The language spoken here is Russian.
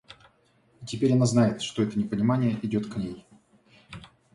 И теперь она знает, что это непонимание идет к ней.